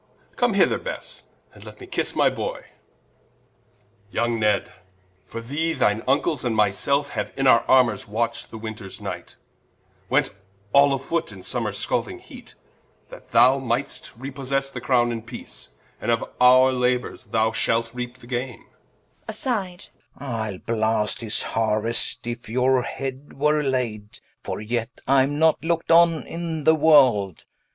Come hither Besse, and let me kisse my Boy: Yong Ned, for thee, thine Vnckles, and my selfe, Haue in our Armors watcht the Winters night, Went all afoote in Summers scalding heate, That thou might'st repossesse the Crowne in peace, And of our Labours thou shalt reape the gaine Rich. Ile blast his Haruest, if your head were laid, For yet I am not look'd on in the world.